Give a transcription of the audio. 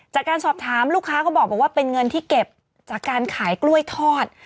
จากการสอบถามลูกค้าก็บอกว่าเป็นเงินที่เก็บจากการขายกล้วยทอด